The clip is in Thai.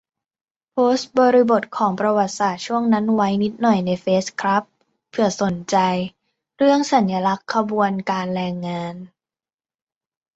โพสต์บริบทของประวัติศาสตร์ช่วงนั้นไว้นิดหน่อยในเฟซครับ เผื่อสนใจ เรื่องสัญลักษณ์ขบวนการแรงงาน